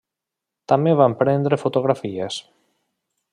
També van prendre fotografies.